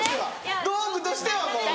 道具としてはもう。